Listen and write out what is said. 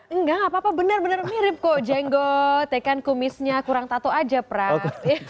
enggak apa apa benar benar mirip kok jenggot ikan kumisnya kurang tato aja prab